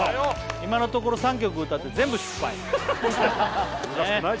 今のところ３曲歌って全部失敗難しくない